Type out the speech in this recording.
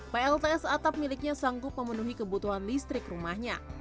plts atap miliknya sanggup memenuhi kebutuhan listrik rumahnya